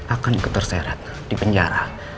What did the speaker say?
akan ikut terserat di penjara